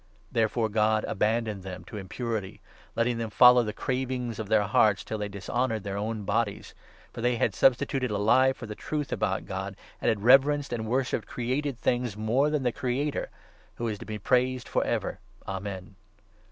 Therefore God abandoned them to impurity, letting them follow the cravings of their hearts, till they dishonoured their own bodies ; for they had substituted a lie for the truth about God, and had reverenced and worshipped created things more than the Creator, who is to be praised for ever. Amen.